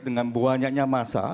dengan banyaknya masa